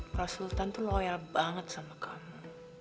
kalau sultan itu loyal banget sama kamu